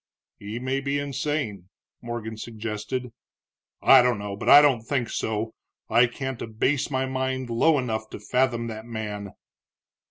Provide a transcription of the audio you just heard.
"He may be insane," Morgan suggested. "I don't know, but I don't think so. I can't abase my mind low enough to fathom that man."